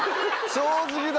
正直だ。